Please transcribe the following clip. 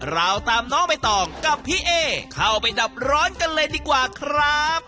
เราตามน้องใบตองกับพี่เอเข้าไปดับร้อนกันเลยดีกว่าครับ